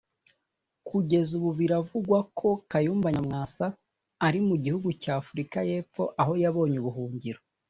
Kugeza ubu biravugwa ko Kayumba Nyamwasa ari mu gihugu cya Africa y’epfo aho yabonye ubuhungiro